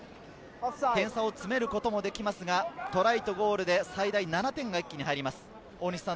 点差を詰めることもできますがトライとゴールで最大７点、一気に入ります。